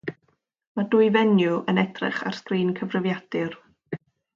Mae dwy fenyw yn edrych ar sgrin cyfrifiadur